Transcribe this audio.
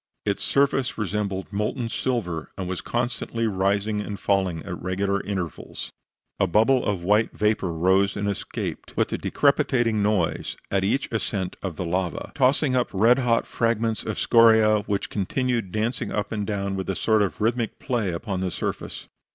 Its surface resembled molten silver, and was constantly rising and falling at regular intervals. A bubble of white vapor rose and escaped, with a decrepitating noise, at each ascent of the lava tossing up red hot fragments of scoria, which continued dancing up and down with a sort of rhythmic play upon the surface.